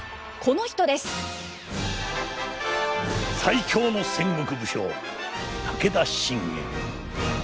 最強の戦国武将武田信玄。